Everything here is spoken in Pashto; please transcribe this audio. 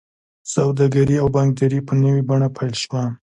سوداګري او بانکداري په نوې بڼه پیل شوه.